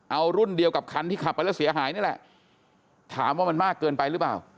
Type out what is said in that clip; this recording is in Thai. เอารุ่นเดียวกับคันที่ขับไปแล้วเสียหายนี่แหละถามว่ามันมากเกินไปหรือเปล่า